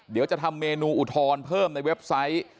เดี๋ยวจะทำเมนูอุทธรณ์เพิ่มในเว็บไซต์